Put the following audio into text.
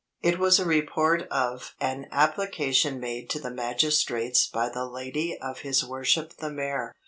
It was a report of "an application made to the magistrates by the lady of his worship the Mayor."